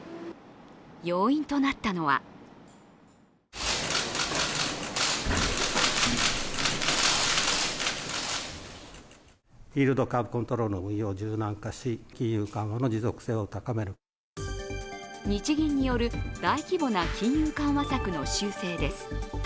要因となったのは日銀による大規模な金融緩和策の修正です。